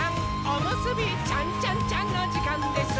おむすびちゃんちゃんちゃんのじかんです！